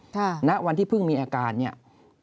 หน้าวันที่เพิ่งมีอาการถ้าเป็นเด็ก